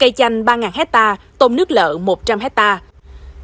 cây chanh ba hectare tôm nước lợ một trăm linh hectare